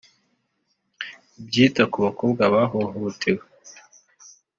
ibyita ku bakobwa bahohotewe